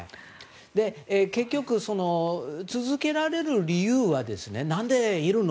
結局、続けられる理由は何でいるの？